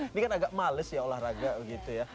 ini kan agak males ya olahraga begitu ya